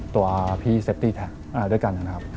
ตัวพี่เซฟตี้แท็กด้วยกันนะครับ